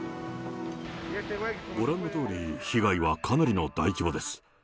ご覧のとおり、被害はかなりの大規模です。